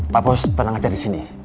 pak bos tenang aja disini